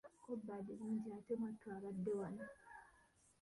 Ko Badru nti:"ate mwattu abadde wano"